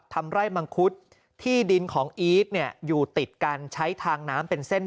ทำไร่มังคุดที่ดินของอีทเนี่ยอยู่ติดกันใช้ทางน้ำเป็นเส้น